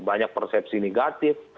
banyak persepsi negatif